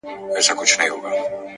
هره ورځ د نوې لاسته راوړنې امکان لري.!